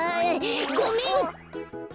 ごめん！